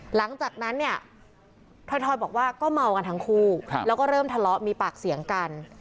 หลังจากนั้นเนี่ยถอยบอกว่าก็เมากันทั้งคู่แล้วก็เริ่มทะเลาะมีปากเสียงกัน